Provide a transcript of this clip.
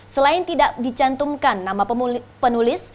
selain tidak dicantumkan nama penulis